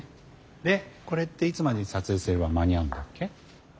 でこれっていつまでに撮影すれば間に合うんだっけ？